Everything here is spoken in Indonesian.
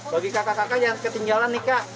bagi kakak kakak yang ketinggalan nih kak